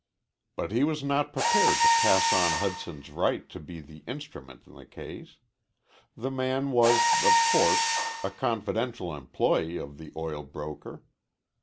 But he was not prepared to pass on Hudson's right to be the instrument in the case. The man was, of course, a confidential employee of the oil broker.